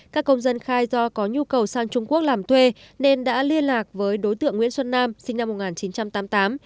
các công dân khai do có nhu cầu sang trung quốc làm thuê nên đã liên lạc với đối tượng nguyễn xuân nam sinh năm một nghìn chín trăm tám mươi tám